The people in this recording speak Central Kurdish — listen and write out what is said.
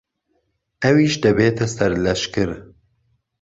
ئەویش دەبێتە سەرلەشکر.